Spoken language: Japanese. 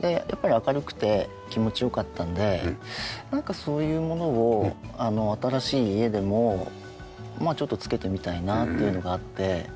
でやっぱり明るくて気持ち良かったんでなんかそういうものを新しい家でもまあちょっとつけてみたいなっていうのがあって。